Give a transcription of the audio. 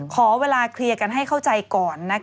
ขอเวลาเคลียร์กันให้เข้าใจก่อน